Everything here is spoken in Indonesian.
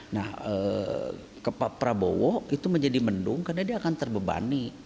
nah ke pak prabowo itu menjadi mendung karena dia akan terbebani